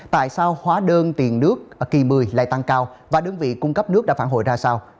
tại sao hóa đơn tiền nước kỳ một mươi lại tăng cao và đơn vị cung cấp nước đã phản hồi ra sao